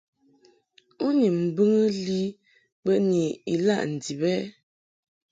U ni mbɨŋɨ li bə ni ilaʼ ndib ɛ ?